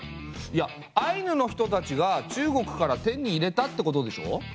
いやアイヌの人たちが中国から手に入れたってことでしょ？